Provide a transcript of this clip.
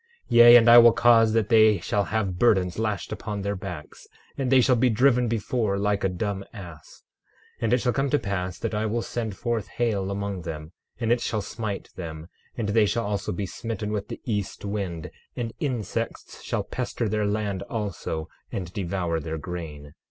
12:5 Yea, and I will cause that they shall have burdens lashed upon their backs; and they shall be driven before like a dumb ass. 12:6 And it shall come to pass that I will send forth hail among them, and it shall smite them; and they shall also be smitten with the east wind; and insects shall pester their land also, and devour their grain.